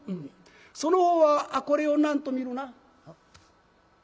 その方はこれを何と見るな？」。